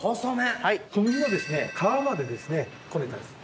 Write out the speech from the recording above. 小麦の皮までですねこねたやつです。